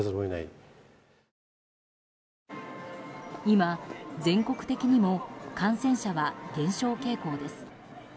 今、全国的にも感染者は減少傾向です。